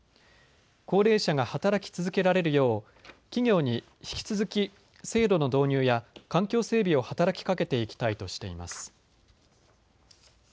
高齢者が働き続けられるよう企業に引き続き制度の導入や環境整備を働きかけていきたいとしています。